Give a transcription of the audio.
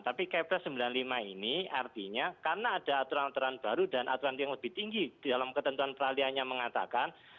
tapi kepres seribu sembilan ratus sembilan puluh lima ini artinya karena ada aturan aturan baru dan aturan yang lebih tinggi dalam ketentuan peralihan yang mengatakan